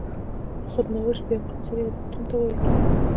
خود نوشت بیا مختصر یادښتونو ته ویل کېږي.